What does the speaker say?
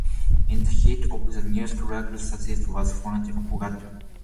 In the heat of the new struggle, Saisset was fortunately forgotten.